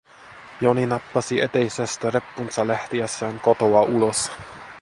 Joni nappasi eteisestä reppunsa lähtiessään kotoa ulos.